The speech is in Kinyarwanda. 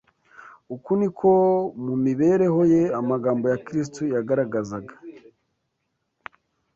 Uko ni ko mu mibereho ye amagambo ya Kristo yagaragazaga